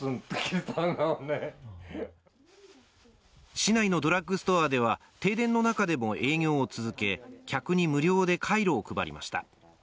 市内のドラッグストアでは停電の中でも営業を続け、客に無料でカイロを配りました。